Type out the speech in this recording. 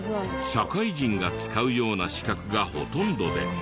社会人が使うような資格がほとんどで。